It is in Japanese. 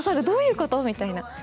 どういうこと？みたいな。